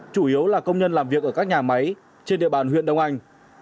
chủ yếu là công nhân làm việc ở các nhà máy trên địa bàn huyện đông anh